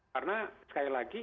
karena sekali lagi